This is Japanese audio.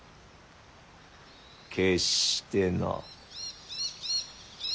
決してな。